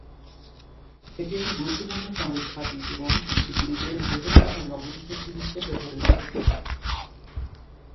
এটি একটি গুরুত্বপূর্ণ সামরিক ঘাঁটি এবং এটি দ্বীপের বৃহত্তম লবণ ক্ষেত্র হিসাবে ব্যবহৃত হত।